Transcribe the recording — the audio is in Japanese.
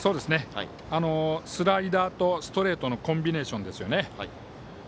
スライダーとストレートのコンビネーションですよね。